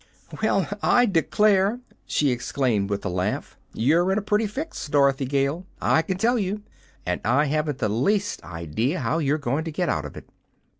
"Well, I declare!" she exclaimed, with a laugh. "You're in a pretty fix, Dorothy Gale, I can tell you! and I haven't the least idea how you're going to get out of it!"